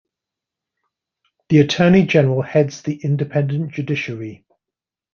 The Attorney General heads the independent judiciary.